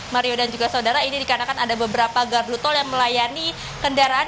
mario dan juga saudara ini dikarenakan ada beberapa gardu tol yang melayani kendaraan